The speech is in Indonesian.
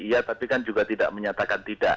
iya tapi kan juga tidak menyatakan tidak